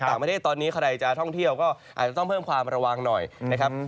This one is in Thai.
ต่างประเทศตอนนี้ใครจะท่องเที่ยวก็อาจจะต้องเพิ่มความระวังหน่อยนะครับ